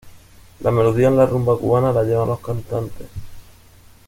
La melodía en la rumba cubana la llevan los cantantes.